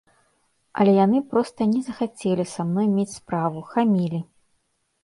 Але яны проста не захацелі са мной мець справу, хамілі.